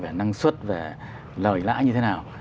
về năng suất về lợi lã như thế nào